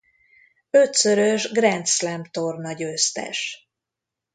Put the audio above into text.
Ötszörös Grand Slam-tornagyőztes.